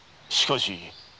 しかし。